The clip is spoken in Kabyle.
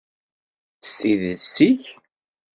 S tidet-ik?